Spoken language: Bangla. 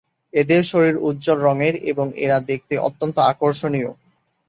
এদের শরীর উজ্জ্বল রঙের এবং এরা দেখতে অত্যন্ত আকর্ষণীয়।